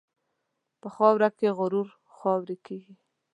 په خاوره کې غرور خاورې کېږي.